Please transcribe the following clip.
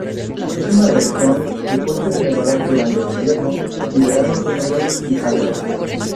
Es una región de fuertes nevadas durante el invierno, y veranos húmedos y cálidos.